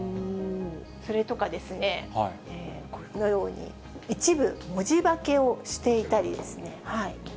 それとかですね、このように、一部文字化けをしていたりですね。